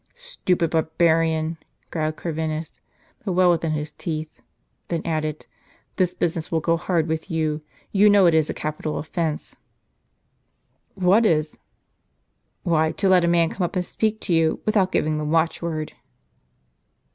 " Stupid bai'barian !" growled Corvinus, but well within his teeth ; then added :" This business will go hard with you ; you know it is a capital offence." w "What is?" " Why, to let a man come up and speak to you, without giving the watchword."